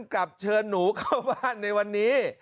กลับเชิญหนูเข้าบ้านในวันนี้